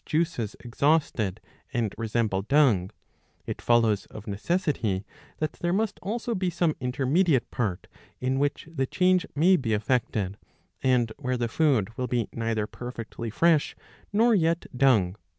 juices exhausted and resemble dung, it follows of necessity that there must also be some intermediate part, in which the change may be effected, and where the food will be neither perfectly fresh nor yet dung.